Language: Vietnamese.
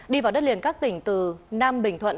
đi vào đất liền các tỉnh từ nam bình thuận